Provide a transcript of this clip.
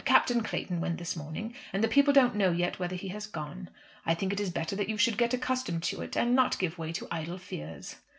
"Captain Clayton went this morning, and the people don't know yet whether he has gone. I think it is better that you should get accustomed to it, and not give way to idle fears."